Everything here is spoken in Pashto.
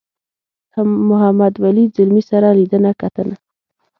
له محمد ولي ځلمي سره لیدنه کتنه.